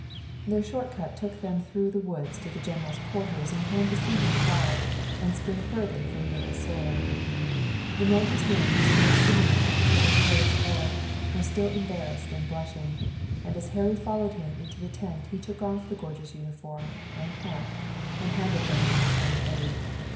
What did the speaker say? Their short cut took them through the woods to the general's quarters in time to see him arrive and spring hurriedly from Little Sorrel. The man whose name was a very synonym of victorious war was still embarrassed and blushing, and as Harry followed him into the tent he took off the gorgeous uniform and hat and handed them to his young aide.